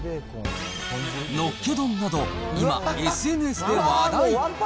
のっけ丼など、今、ＳＮＳで話題。